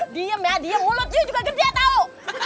diam ya diam mulutnya juga gede tau